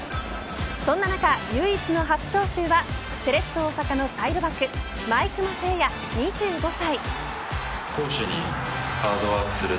そんな中、唯一の初招集はセレッソ大阪のサイドバック毎熊晟矢２５歳。